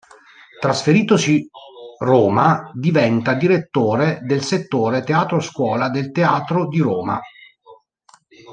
Trasferitosi Roma, diventa direttore del settore Teatro-Scuola del Teatro di Roma.